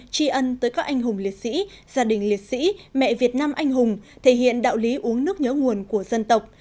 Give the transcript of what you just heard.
tri ân tới các anh hùng liệt sĩ gia đình liệt sĩ mẹ việt nam anh hùng thể hiện đạo lý uống nước nhớ nguồn của dân tộc